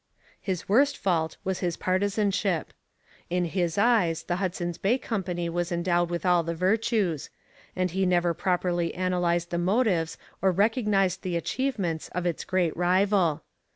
His worst fault was his partisanship. In his eyes the Hudson's Bay Company was endowed with all the virtues; and he never properly analysed the motives or recognized the achievements of its great rival.